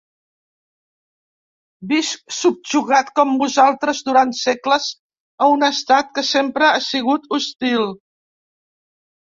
Visc subjugat, com vosaltres durant segles, a un Estat que sempre ha sigut hostil.